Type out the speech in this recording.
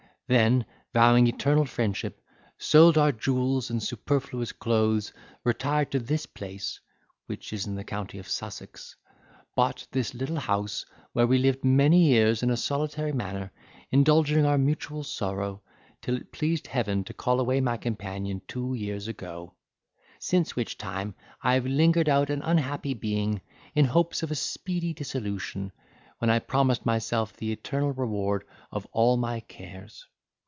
Then, vowing eternal friendship, sold our jewels and superfluous clothes, retired to this place (which is in the county of Sussex) bought this little house, where we lived many years in a solitary manner, indulging our mutual sorrow, till it pleased Heaven to call away my companion two years ago; since which time I have lingered out an unhappy being, in hopes of a speedy dissolution, when I promise myself the eternal reward of all my cares.